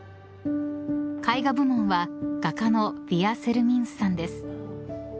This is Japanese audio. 絵画部門は画家のヴィヤ・セルミンスさんです。